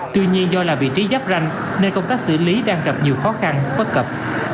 tuy nhiên do là vị trí giáp ranh nên công tác xử lý đang gặp nhiều khó khăn bất cập